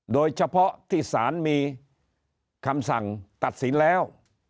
โดยเฉพาะที่สารมีคำสั่งตัดสินแล้ว